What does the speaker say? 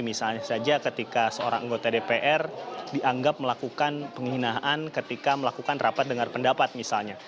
misalnya saja ketika seorang anggota dpr dianggap melakukan penghinaan ketika melakukan rapat dengar pendapat misalnya